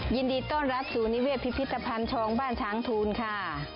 ยินดีต้อนรับสู่นิเวศพิพิธภัณฑ์ทองบ้านช้างทูลค่ะ